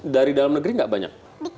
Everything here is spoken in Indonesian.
dari dalam negeri tidak banyak